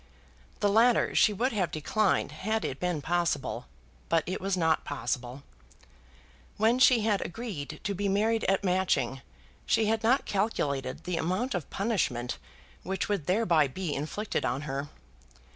The latter she would have declined, had it been possible; but it was not possible. When she had agreed to be married at Matching she had not calculated the amount of punishment which would thereby be inflicted on her.